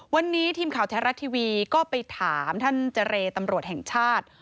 วันนี้ทีมข่าวแท้รัฐทีวีก็ไปถามท่านเจรตำรวจแห่งชาติ